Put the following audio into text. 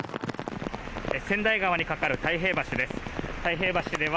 川内川に架かる太平橋です。